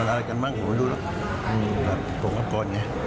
มันอะไรกันบ้างผมไม่รู้แล้วผมกลับก่อนไง